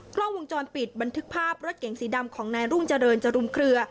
กล้องวงจรปิดบันทึกภาพรถเก๋งสีดำของนายรุ่งเจริญจรุมเคลือ